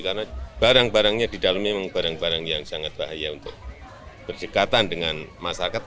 karena barang barangnya di dalamnya memang barang barang yang sangat bahaya untuk berdekatan dengan masyarakat